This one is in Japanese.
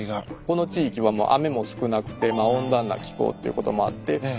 この地域は雨も少なくて温暖な気候っていうこともあって